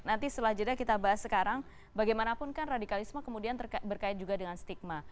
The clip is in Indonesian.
nanti setelah jeda kita bahas sekarang bagaimanapun kan radikalisme kemudian berkait juga dengan stigma